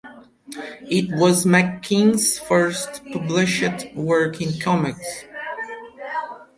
It was McKean's first published work in comics.